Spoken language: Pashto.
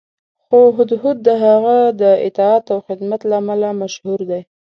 خو هدهد د هغه د اطاعت او خدمت له امله مشهور دی.